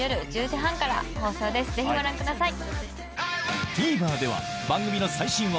ぜひご覧ください。